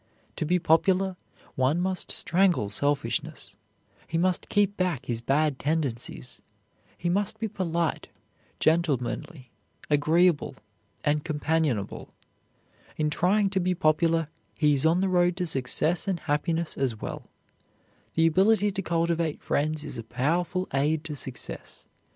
To be popular, one must strangle selfishness, he must keep back his bad tendencies, he must be polite, gentlemanly, agreeable, and companionable. In trying to be popular, he is on the road to success and happiness as well. The ability to cultivate friends is a powerful aid to success.